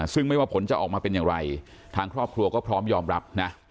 ซึ่งไม่ว่าผลจะออกมาเป็นอย่างไรทางครอบครัวก็พร้อมยอมรับนะ